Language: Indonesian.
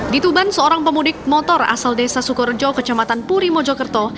di tuban seorang pemudik motor asal desa sukorejo kecamatan puri mojokerto